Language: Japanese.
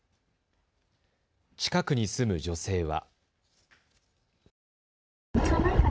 近くに住む女性は。